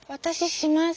します！